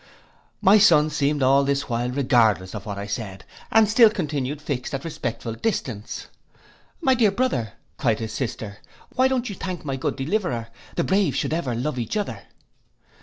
My son seemed all this while regardless of what I said, and still continued fixed at respectful distance.—'My dear brother,' cried his sister, 'why don't you thank my good deliverer; the brave should ever love each other.